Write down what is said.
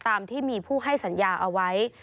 ตามที่มีผู้ให้สัญญาเอาไว้